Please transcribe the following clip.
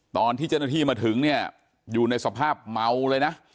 ตอนที่เจ้าหน้าที่มาถึงเนี่ยอยู่ในสภาพเมาเลยนะ